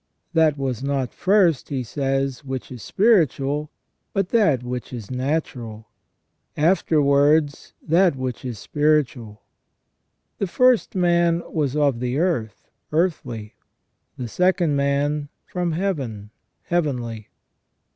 "That was not first," he says, "which is spiritual, but that which is natural : afterwards that which is spiritual. The first man was of the earth, earthly : the second man from heaven, heavenly.